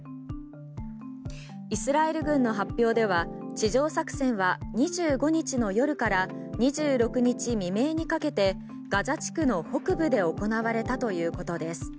イスラエル軍の発表では地上作戦は２５日の夜から２６日未明にかけてガザ地区の北部で行われたということです。